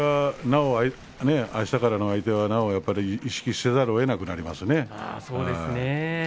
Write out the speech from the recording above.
あしたからの相手は意識せざるをえなくなりますよね。